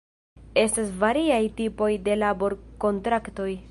Estas variaj tipoj de labor-kontraktoj.